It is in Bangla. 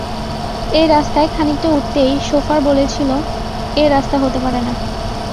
এই রাস্তায় খানিকটা উঠতেই শোফার বলেছিল, এ রাস্তা হতে পারে না।